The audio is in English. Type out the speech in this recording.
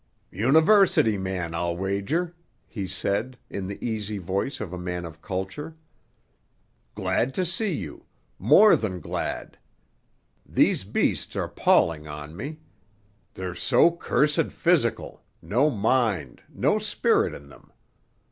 "University man, I'll wager," he said, in the easy voice of a man of culture. "Glad to see you; more than glad! These beasts are palling on me. They're so cursed physical—no mind, no spirit in them.